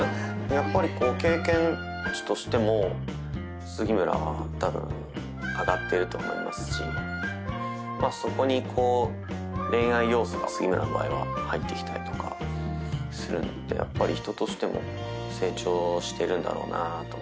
やっぱりこう経験値としても杉村は多分上がってると思いますしまあそこに恋愛要素が杉村の場合は入ってきたりとかするのでやっぱり人としても成長してるんだろうなあと思って。